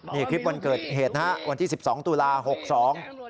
นี่คลิปวันเกิดเหตุนะฮะวันที่๑๒ตุลาคม๖๒